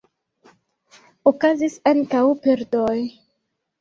Okazis ankaŭ perdoj.